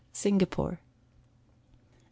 Singapore. No.